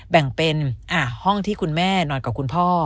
แบ่งเป็นห้องที่คุณแม่นอนกับคุณพ่อ